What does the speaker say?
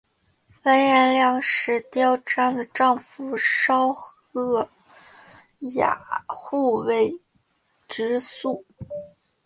完颜亮使习拈的丈夫稍喝押护卫直宿。